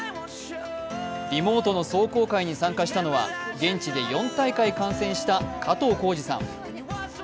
リモートの壮行会に参加したのは、現地で４大会、観戦した加藤浩次さん。